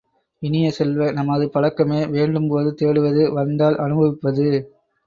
இனிய செல்வ, நமது பழக்கமே வேண்டும் போது தேடுவது வந்தால் அனுபவிப்பது.